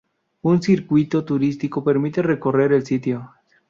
Un circuito turístico permite recorrer el sitio.